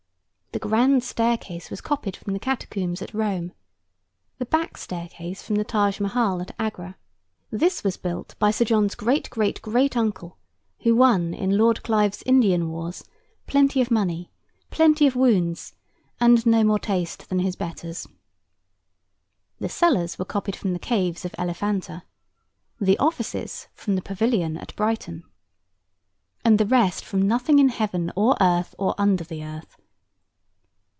The grand staircase was copied from the Catacombs at Rome. The back staircase from the Tajmahal at Agra. This was built by Sir John's great great great uncle, who won, in Lord Clive's Indian Wars, plenty of money, plenty of wounds, and no more taste than his betters. The cellars were copied from the caves of Elephanta. The offices from the Pavilion at Brighton. And the rest from nothing in heaven, or earth, or under the earth.